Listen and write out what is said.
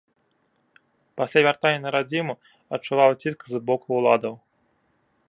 Пасля вяртання на радзіму адчуваў ціск з боку ўладаў.